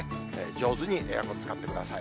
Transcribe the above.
上手にエアコン使ってください。